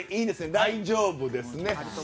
大丈夫ですね。